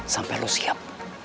sampai lo siap